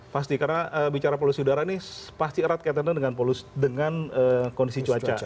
pasti karena bicara polusi udara ini pasti erat kaitannya dengan kondisi cuaca